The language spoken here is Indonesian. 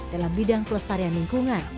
dalam bidang pelestarian lingkungan